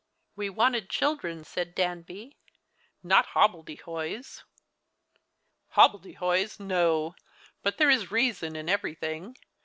"" We wanted children," said Danby, " not hobblede hoys." " Hobbledehoys ! no, but there is reason in everything.